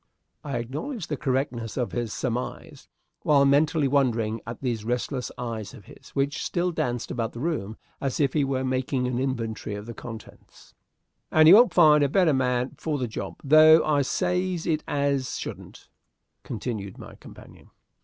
I acknowledged the correctness of his surmise, while mentally wondering at those restless eyes of his, which still danced about the room as if he were making an inventory of the contents. "And you won't find a better man for the job, though I says it as shouldn't," continued my companion.